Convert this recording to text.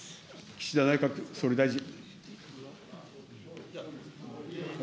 岸田内閣総理大臣。